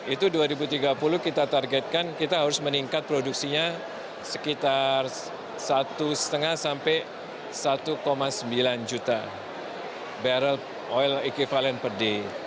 itu dua ribu tiga puluh kita targetkan kita harus meningkat produksinya sekitar satu lima sampai satu sembilan juta barrel oil equivalent per day